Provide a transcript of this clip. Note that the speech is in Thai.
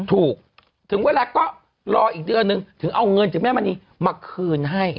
ถึงเวลาก็รออีกเดือนนึงถึงเอาเงินจากแม่มณีมาคืนให้